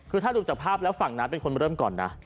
คือถ้าดูจากภาพแล้วฝั่งนั้นเป็นคนมาเริ่มก่อนนะ